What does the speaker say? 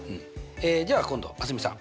じゃあ今度蒼澄さん。